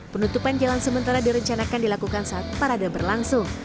penutupan jalan sementara direncanakan dilakukan saat parade berlangsung